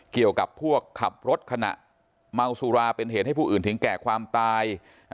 เกี่ยวกับพวกขับรถขณะเมาสุราเป็นเหตุให้ผู้อื่นถึงแก่ความตาย